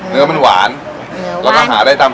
เนื้อมันหวานค่ะ